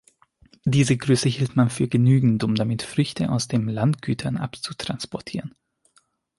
Diese Größe hielt man für genügend, um damit Früchte aus den Landgütern abzutransportieren.